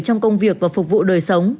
trong công việc và phục vụ đời sống